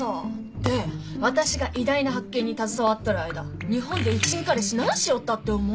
で私が偉大な発見に携わっとる間日本でうちん彼氏何しよったって思う？